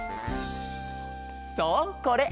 そうこれ！